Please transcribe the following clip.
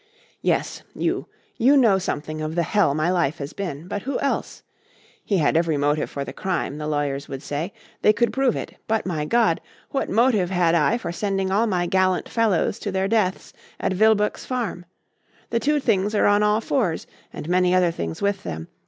"Yes. You. You know something of the hell my life has been. But who else? He had every motive for the crime, the lawyers would say. They could prove it. But, my God! what motive had I for sending all my gallant fellows to their deaths at Vilboek's Farm? ... The two things are on all fours and many other things with them....